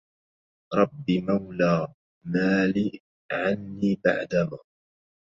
رب مولى مال عني بعد ما